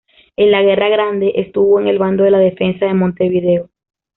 En la Guerra Grande estuvo en el bando de la Defensa de Montevideo.